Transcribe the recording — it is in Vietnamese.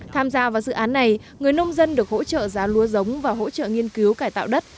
tham gia vào dự án này người nông dân được hỗ trợ giá lúa giống và hỗ trợ nghiên cứu cải tạo đất